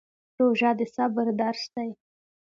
روژه د صبر درس دی